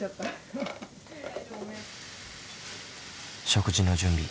食事の準備。